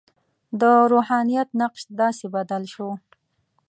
د روحانیت نقش داسې بدل شو.